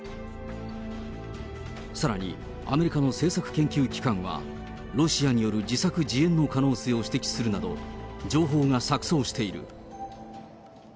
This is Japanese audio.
さらに、アメリカの政策研究機関は、ロシアによる自作自演の可能性を指摘するなど、情報が錯そうしている。